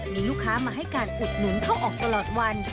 มีลูกค้ามาให้การอุดหนุนเข้าออกตลอดวัน